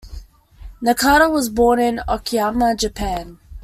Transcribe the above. Nakata was born in Okayama, Japan.